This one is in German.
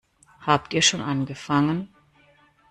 Habt ihr schon angefangen?